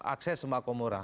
untuk akses sembah komura